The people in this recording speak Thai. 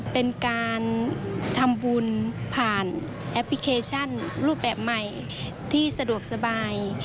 เป็นการทำบุญผ่านแอปพลิเคชันรูปแบบใหม่ที่สะดวกสบาย